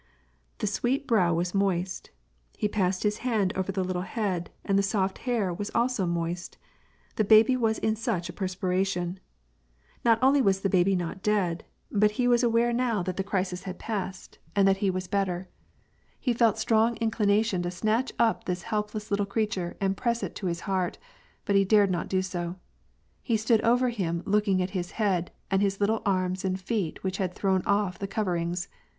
The sweet brow was moist ; he passed his hand over the little head, and the soft hair was also moist, the baby was in such a perspiration ! Not only was the baby not dead, but he was aware now that 102 WAR AND PEACE. the crisis had passed, and that he was better. He felt a strong inclination to snatch up this helpless little creature and press it to his heart ; but he dared not do so. He stood over him, looking at his head, and at his little arms and feet which had thrown off the coverings.